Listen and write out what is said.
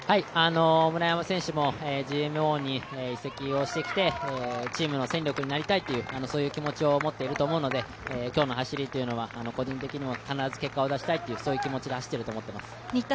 村山選手もＧＭＯに移籍をしてきてチームの戦力になりたいという気持ちを持っていると思うので今日の走りというのは個人的にも必ず結果を出したいという気持ちで走っていると思います。